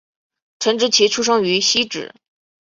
陈植棋出生于汐止